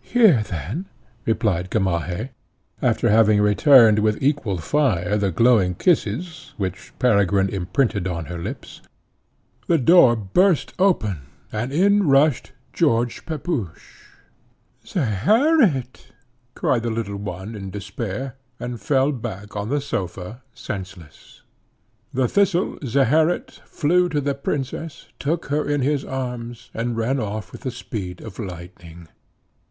"Hear then," replied Gamaheh, after having returned with equal fire the glowing kisses, which Peregrine imprinted on her lips, "hear then; I know how the " The door burst open, and in rushed George Pepusch. "Zeherit!" cried the little one in despair, and fell back on the sofa, senseless. The Thistle, Zeherit, flew to the princess, took her in his arms, and ran off with the speed of lightning.